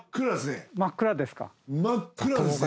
真っ暗ですか？